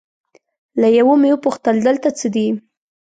له یوه مې وپوښتل دلته څه دي؟